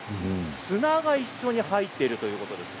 砂が一緒に入っているということです。